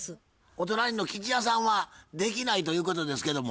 お隣の吉弥さんはできないということですけども？